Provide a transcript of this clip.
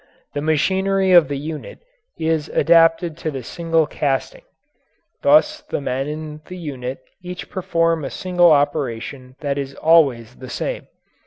The machinery of the unit is adapted to the single casting; thus the men in the unit each perform a single operation that is always the same.